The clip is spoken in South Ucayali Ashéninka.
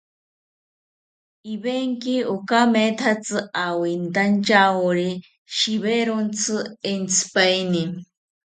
Ivenki okamethatzi awinantyawori shiwerontzi entzipaeni